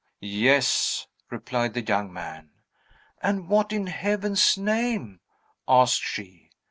"Yes!" replied the young man. "And what, in Heaven's name?" asked she.